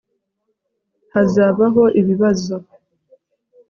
hazabaho ibibazo